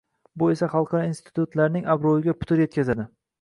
bu esa xalqaro institutlarning obro‘yiga putur yetkazadi.